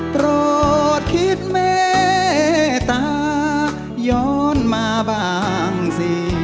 โกรธคิดแม่ตาย้อนมาบ้างสิ